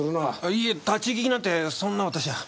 いいえ立ち聞きなんてそんな私は。